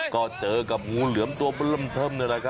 ก็เจอกับงูเหลือมตัวมันเริ่มเทิม